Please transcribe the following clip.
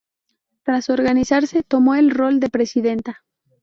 Tras organizarse, tomó el rol de presidenta.